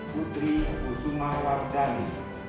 lima putri usuma wardani